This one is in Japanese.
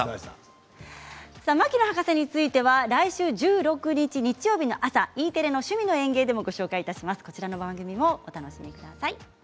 牧野博士については来週１６日、日曜日の朝Ｅテレの「趣味の園芸」でもご紹介します。